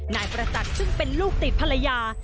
นายประจักษ์ซึ่งเป็นลูกติดภรรยา